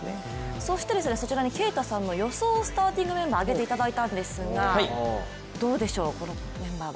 そしてそちらに啓太さんの予想スターティングメンバーを上げていただいたんですがどうでしょう、このメンバーは。